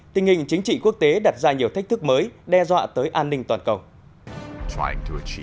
tình hình chính trị quốc tế đặt ra nhiều thách thức mới đe dọa tới an ninh toàn cầu